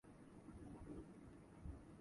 こちらにだって事情がある